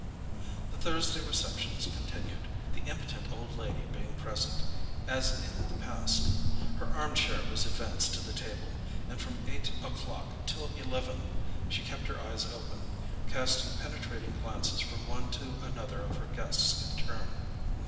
The Thursday receptions continued, the impotent old lady being present, as in the past. Her armchair was advanced to the table, and from eight o'clock till eleven she kept her eyes open, casting penetrating glances from one to another of her guests in turn.